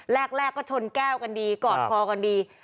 แรกก็ชนแก้วกันดีกอดคอกันดี